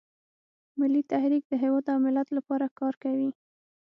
ملي تحریک د هیواد او ملت لپاره کار کوي